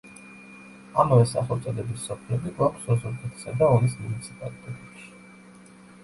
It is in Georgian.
ამავე სახელწოდების სოფლები გვაქვს ოზურგეთისა და ონის მუნიციპალიტეტებში.